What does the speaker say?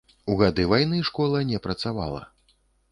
У гады вайны школа не працавала.